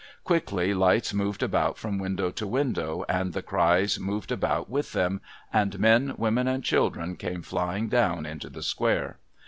Quickly lights moved about from window to window, and the cries moved about with them, and men, women, and children came flying down into the square.